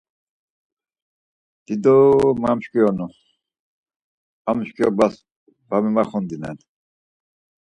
Dido mamşkironi, am mşkironobas va memaxondinen.